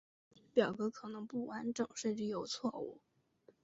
表格可能不完整甚至有错误。